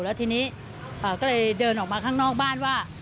แล้วทีนี้ก็เลยเดินออกมาข้างนอกบ้านว่า